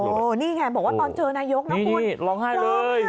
โอ้นี่ไงบอกว่าตอนเจอนายกน้องคุณนี่นี่ร้องไห้เลยร้องไห้